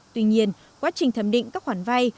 tuy nhiên quá trình thẩm định các khoản vay